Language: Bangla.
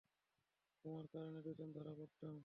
তোমার কারণে দুজন ধরা পড়তাম।